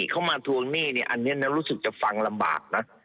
เขามาทวงหนี้อันนี้รู้สึกจะฟังลำบากนะ